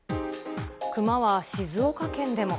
クマは静岡県でも。